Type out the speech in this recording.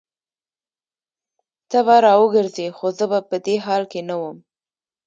ته به راوګرځي خو زه به په دې حال نه وم